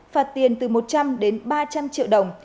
phạt tiền từ một trăm linh đến ba trăm linh triệu đồng